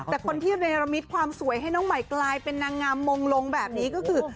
แต่คนที่เนรมิตความสวยให้น้องใหม่กลายเป็นนางงามมงลงแบบนี้ก็คือ